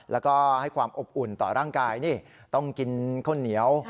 แล้วก็ให้ความอบอุ่นต่อร่างกายนี่ต้องกินข้าวเหนียว